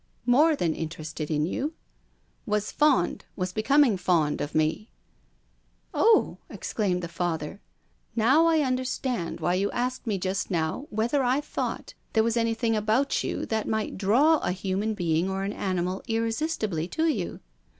" More than interested in you?" " Was fond, or was becoming fond, of me." " Oil !" exclaimed the Father. " Now I un derstand why }'ou asked me just now whctlu r I thought there was anything about you that might draw a human being or an animal irresistibly to you.